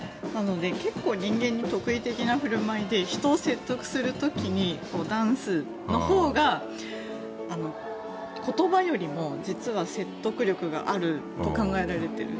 結構、人間の特異的な振る舞いで人を説得する時にダンスのほうが言葉よりも実は説得力があると考えられている。